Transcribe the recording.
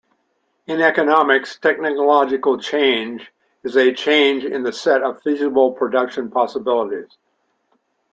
In economics, technological change is a change in the set of feasible production possibilities.